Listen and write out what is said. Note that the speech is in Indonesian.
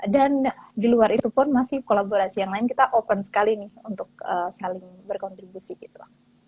dan di luar itu pun masih kolaborasi yang lain kita open sekali nih untuk saling berkontribusi gitu